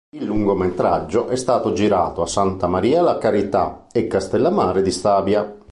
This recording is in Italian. Il lungometraggio è stato girato a Santa Maria la Carità e Castellammare di Stabia.